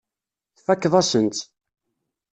Tfakkeḍ-asen-tt.